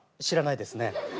知らないですね。